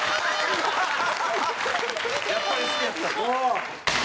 やっぱり好きだった。